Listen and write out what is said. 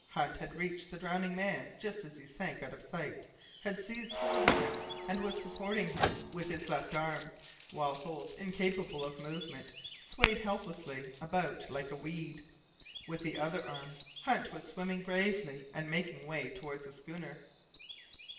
Hunt had reached the drowning man just as he sank out of sight, had seized hold of him, and was supporting him with his left arm, while Holt, incapable of movement, swayed helplessly about like a weed. With the other arm Hunt was swimming bravely and making way towards the schooner.